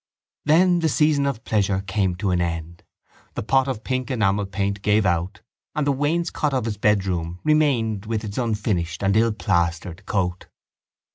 Then the season of pleasure came to an end. The pot of pink enamel paint gave out and the wainscot of his bedroom remained with its unfinished and illplastered coat.